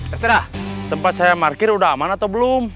terserah tempat saya parkir udah aman atau belum